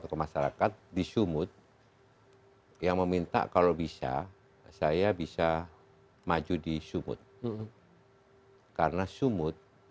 karena sumut itu perlengkapan